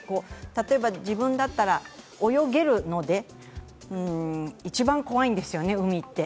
例えば自分だったら泳げるので、一番怖いんですよね、海って。